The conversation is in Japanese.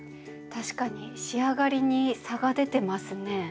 確かに仕上がりに差が出てますね。